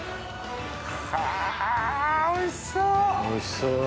かぁおいしそう！